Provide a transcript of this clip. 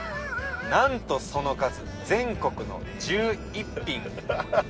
「なんとその数全国の１１品！！」